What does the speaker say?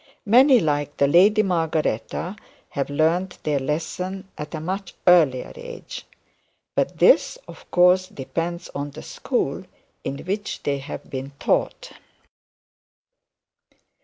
Many like the Lady Margaretta have learnt their lesson at a much earlier age. But this of course depends on the school in which they have been taught.